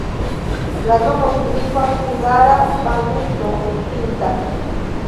La nomo signifas hungara-banuso-pinta.